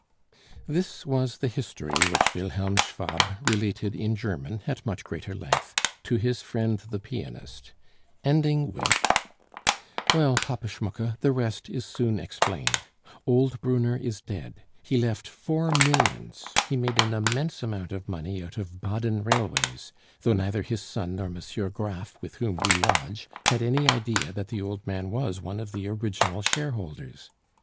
This was the history which Wilhelm Schwab related in German, at much greater length, to his friend the pianist, ending with; "Well, Papa Schmucke, the rest is soon explained. Old Brunner is dead. He left four millions! He made an immense amount of money out of Baden railways, though neither his son nor M. Graff, with whom we lodge, had any idea that the old man was one of the original shareholders.